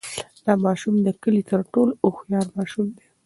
دا ماشوم د کلي تر ټولو هوښیار ماشوم دی.